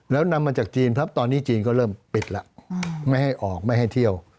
แล้วนำมาจากจีนครับตอนนี้จีนก็เริ่มปิดแล้วไม่ให้ออกไม่ให้เที่ยว